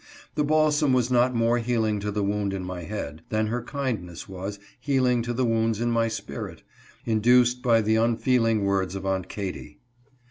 The balsam was not more healing to the wound in my head, than her kindness was healing to the wounds in my spirit, induced by the unfeeling words of Aunt Katy.